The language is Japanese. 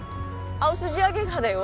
アオスジアゲハだよ。